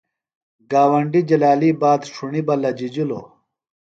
گاونڈیۡ جلالی بات ݜُݨیۡ بہ لجِجلوۡ۔